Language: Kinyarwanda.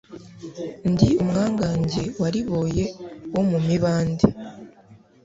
ndi umwangange wariboye wo mu mibande